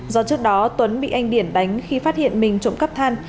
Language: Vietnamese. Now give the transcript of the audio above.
do trước đó tuấn bị anh điển đánh khi phát hiện mình trộm cắp than